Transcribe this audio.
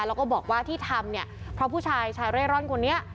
แล้วก็บอกว่าที่ทำเนี่ยเพราะผู้ชายชายเร่ร่อนคนนี้